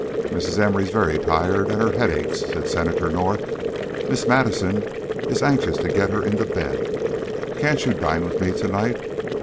"Mrs. Emory is very tired and her head aches," said Senator North. "Miss Madison is anxious to get her into bed. Can't you dine with me to night?